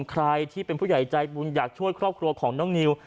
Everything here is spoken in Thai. ใครที่เป็นผู้ใหญ่ใจบุญอยากช่วยครอบครัวของน้องนิว